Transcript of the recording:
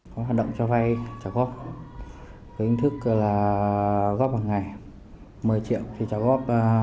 có hoạt động cho vay trả góp có hình thức là góp hàng ngày một mươi triệu thì trả góp